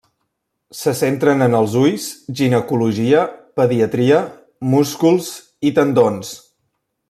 Se centren en els ulls, ginecologia, pediatria, músculs i tendons.